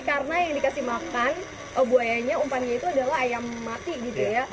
karena yang dikasih makan buayanya umpannya itu adalah ayam mati gitu ya